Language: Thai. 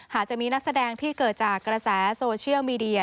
หากจะมีนักแสดงที่เกิดจากกระแสโซเชียลมีเดีย